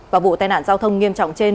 và vụ tai nạn giao thông nghiêm trọng trên